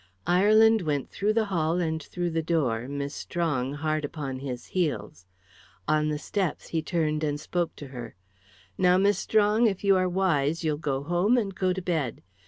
Ireland went through the hall, and through the door, Miss Strong hard upon his heels. On the steps he turned and spoke to her. "Now, Miss Strong, if you are wise, you'll go home and go to bed.